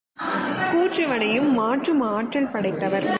கூற்றுவனையும் மாற்றும் ஆற்றல் படைத்தவர்.